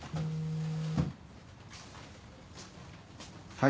はい。